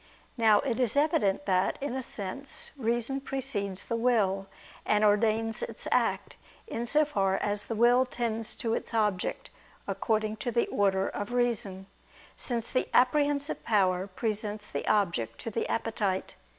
Now it is evident that, in a sense, reason precedes the will and ordains its act: in so far as the will tends to its object, according to the order of reason, since the apprehensive power presents the object to the appetite.